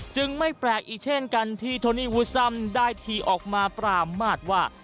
ไม่แปลกอีกเช่นกันที่โทนี่วูซัมได้ทีออกมาปรามาทว่า